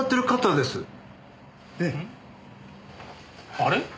あれ？